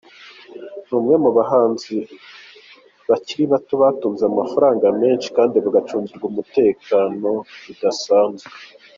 Ni umwe mu bahanzi bakiri bato batunze amafaranga menshi kandi bacungirwa umutekano bidasanzwe.